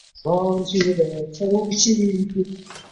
大叶宝兴报春为报春花科报春花属下的一个种。